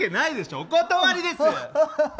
お断りです。